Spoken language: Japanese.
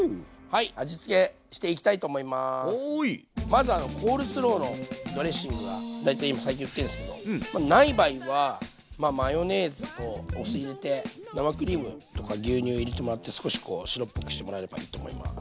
まずコールスローのドレッシングが大体今最近売ってるんですけどない場合はマヨネーズとお酢入れて生クリームとか牛乳入れてもらって少しこう白っぽくしてもらえればいいと思います。